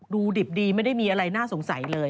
ดิบดีไม่ได้มีอะไรน่าสงสัยเลย